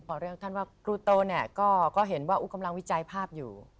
พอเรียกท่านว่าครูโตเนี่ยก็เห็นว่าอุ๊กำลังวิจัยภาพอยู่